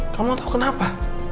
kamu tahu kenapa